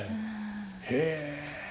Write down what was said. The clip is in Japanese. へえ。